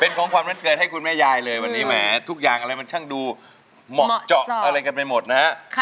ของขวัญวันเกิดให้คุณแม่ยายเลยวันนี้แหมทุกอย่างอะไรมันช่างดูเหมาะเจาะอะไรกันไปหมดนะฮะ